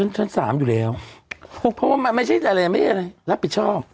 ชั้นสามอยู่แล้วเพราะว่ามันไม่ใช่อะไรไม่ใช่อะไรรับผิดชอบ